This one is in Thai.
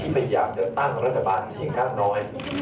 ไม่อยากจะตั้งรัฐบาลเสียงข้างน้อย